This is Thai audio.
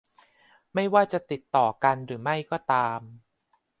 ไม่ว่าจะติดต่อกันหรือไม่ก็ตาม